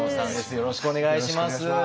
よろしくお願いします。